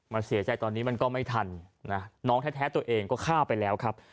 เสียใจตอนนี้มันก็ไม่ทันนะน้องแท้ตัวเองก็ฆ่าไปแล้วครับ